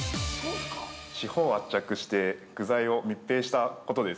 ◆四方を圧着して具材を密閉したことです。